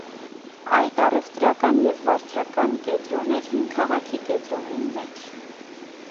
Այդ առեւտրական եւ վարչական կեդրոն էր հին քաղաքի կեդրոնին մէջ։